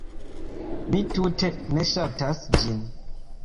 Mi tute ne ŝatas ĝin.